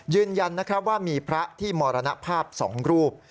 ยืนยันว่ามีพระที่มรณภาพสองรูป